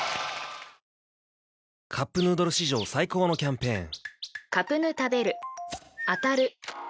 「カップヌードル」史上最高のキャンペーン！